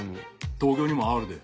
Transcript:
東京にもあるで。